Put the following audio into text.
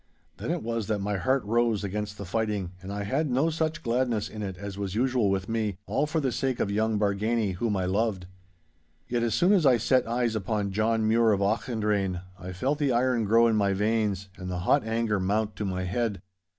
Then it was that my heart rose against the fighting, and I had no such gladness in it as was usual with me, all for the sake of young Bargany, whom I loved. Yet as soon as I set eyes upon John Mure of Auchendrayne, I felt the iron grow in my veins and the hot anger mount to my head.